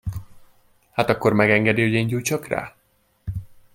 Hát akkor megengedi, hogy én gyújtsak rá?